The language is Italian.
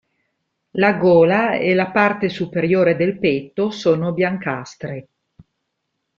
La gola e la parte superiore del petto sono biancastre.